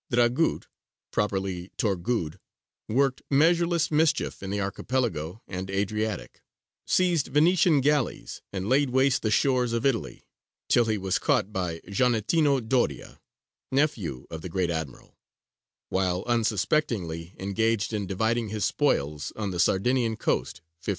Dragut (properly Torghūd) worked measureless mischief in the Archipelago and Adriatic, seized Venetian galleys and laid waste the shores of Italy, till he was caught by Giannettino Doria, nephew of the great admiral, while unsuspectingly engaged in dividing his spoils on the Sardinian coast (1540).